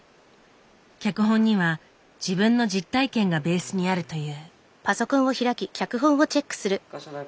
脚本には自分の実体験がベースにあるという。